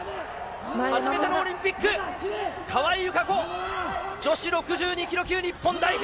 初めてのオリンピック、川井友香子、女子６２キロ級日本代表。